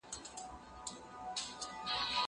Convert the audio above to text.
زه به سبا کالي وچوم وم؟!